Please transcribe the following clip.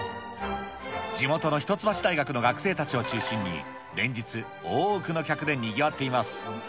地元の一橋大学の学生たちを中心に、連日、多くの客でにぎわっています。